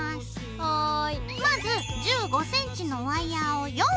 はい。